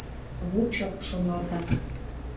Вучо, шоналта...